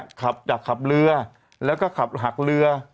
ขับจากขับเรือแล้วก็ขับหักเรือ